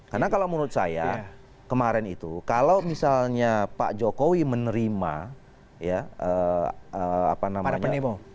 karena kalau menurut saya kemarin itu kalau misalnya pak jokowi menerima ya apa namanya